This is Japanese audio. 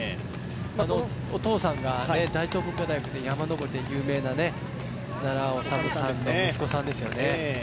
このお父さんが大東文化大学で山登りで有名な奈良さんの息子さんですよね。